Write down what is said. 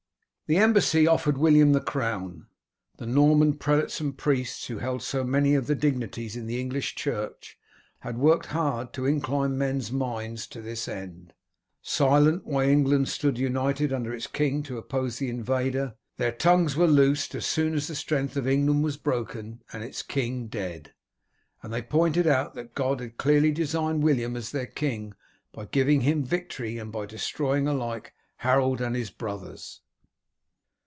The embassy offered William the crown. The Norman prelates and priests, who held so many of the dignities in the English Church, had worked hard to incline men's minds to this end. Silent while England stood united under its king to oppose the invader, their tongues were loosed as soon as the strength of England was broken and its king dead, and they pointed out that God had clearly designated William as their king by giving him victory and by destroying alike Harold and his brothers.